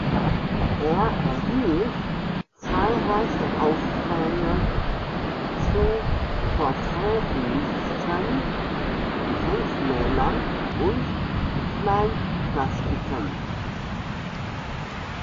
Er erhielt zahlreiche Aufträge zu Porträtbüsten, Denkmälern und Kleinplastiken.